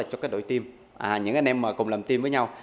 cho đội team những anh em cùng làm team với nhau